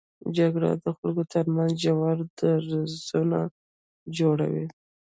جګړه د خلکو تر منځ ژورې درزونه جوړوي